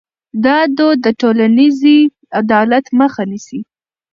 دا دود د ټولنیز عدالت مخه نیسي.